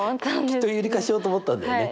きっと有理化しようと思ったんだよね。